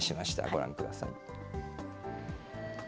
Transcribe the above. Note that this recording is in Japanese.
ご覧ください。